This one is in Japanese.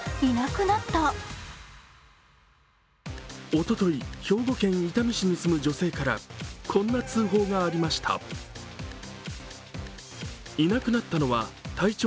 おととい、兵庫県伊丹市に住む女性から、こんな通報がありましたいなくなったのは体長